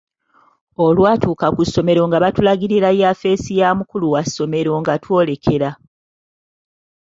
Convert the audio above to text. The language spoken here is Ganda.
Olwatuuka ku ssomero nga batulagirira yafeesi ya mukulu wa ssomero nga twolekera.